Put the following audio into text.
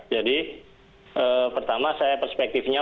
jadi pertama saya perspektifnya